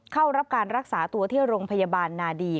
เข้ารับการรักษาตัวที่โรงพยาบาลนาดี